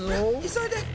急いで！